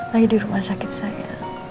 saya di rumah sakit saya